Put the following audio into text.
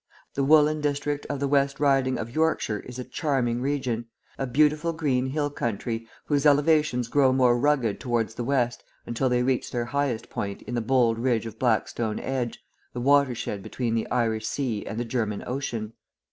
The woollen district of the West Riding of Yorkshire is a charming region, a beautiful green hill country, whose elevations grow more rugged towards the West until they reach their highest point in the bold ridge of Blackstone Edge, the watershed between the Irish Sea and the German Ocean.